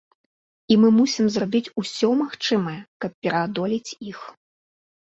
І мы мусім зрабіць усё магчымае, каб пераадолець іх.